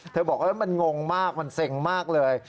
บอกว่ามันงงมากมันเซ็งมากเลย